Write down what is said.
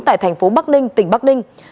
tại thành phố bắc ninh tỉnh bắc ninh